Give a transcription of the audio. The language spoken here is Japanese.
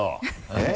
えっ。